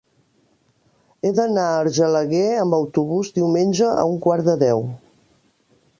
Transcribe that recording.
He d'anar a Argelaguer amb autobús diumenge a un quart de deu.